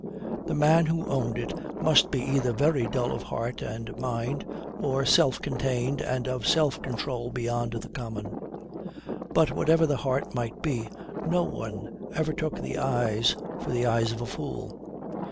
The man who owned it must be either very dull of heart and mind, or self contained and of self control beyond the common. But whatever the heart might be, no one ever took the eyes for the eyes of a fool.